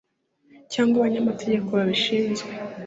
cyangwa abanyamategeko babishinzwe